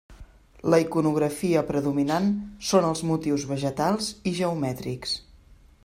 La iconografia predominant són els motius vegetals i geomètrics.